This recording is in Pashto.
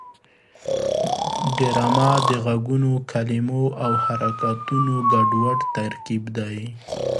ډرامه د غږونو، کلمو او حرکتونو ګډوډ ترکیب دی